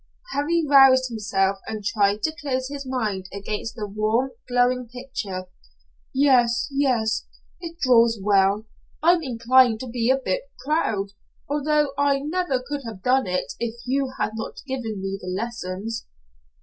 Harry roused himself and tried to close his mind against the warm, glowing picture. "Yes yes. It draws well. I'm inclined to be a bit proud, although I never could have done it if you had not given me the lessons."